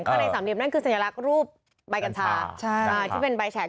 ข้างในสามเหลี่ยมนั่นคือสัญลักษณ์รูปใบกัญชาที่เป็นใบแฉก